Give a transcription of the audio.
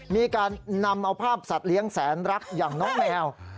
มีการนำเอาภาพสัตว์เลี้ยงแสนรักอย่างน้องแมว